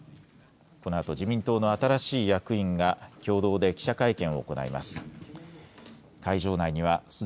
このあと、自民党の新しい役員が共同で記者会見を行います。